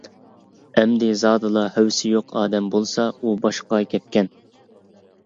ئەمدى زادىلا ھەۋىسى يوق ئادەم بولسا ئۇ باشقا گەپكەن.